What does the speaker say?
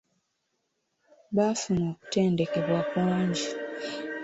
Baafuna okutendekebwa kungi.